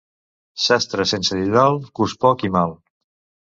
Sastre sense didal cus poc i mal.